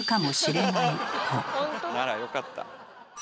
ならよかった。